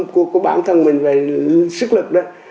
của bản thân mình về sức lực đó